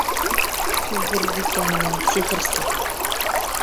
— Убырбикә менән Сихырсы!